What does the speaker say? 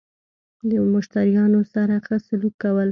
له مشتريانو سره خه سلوک کول